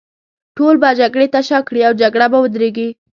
ټول به جګړې ته شا کړي، او جګړه به ودرېږي.